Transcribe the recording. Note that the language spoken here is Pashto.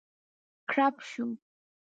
کړپ شو.